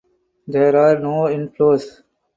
There are no inflows.